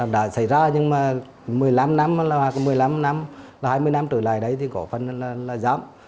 đã xảy ra nhưng mà một mươi năm năm một mươi năm năm hai mươi năm trở lại đấy thì có phần là giảm